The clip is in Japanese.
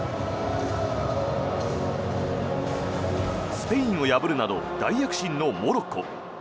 スペインを破るなど大躍進のモロッコ。